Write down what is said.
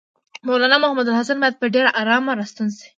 مولنا محمودالحسن باید په ډېره آرامه راستون شي.